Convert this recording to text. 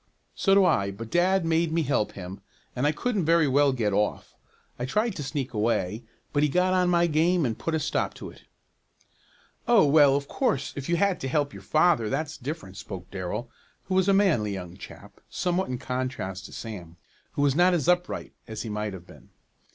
"So do I, but dad made me help him, and I couldn't very well get off. I tried to sneak away, but he got on to my game and put a stop to it." "Oh, well, of course if you had to help your father that's different," spoke Darrell, who was a manly young chap, somewhat in contrast to Sam, who was not as upright as he might have been.